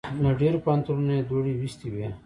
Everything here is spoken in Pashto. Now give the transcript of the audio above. له ډېرو پوهنتونو یې دوړې ویستې وې.